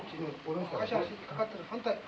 足足かかってる反対。